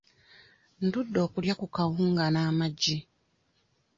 Ndudde okulya ku kawunga n'amagi.